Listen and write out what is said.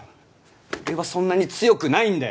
俺はそんなに強くないんだよ！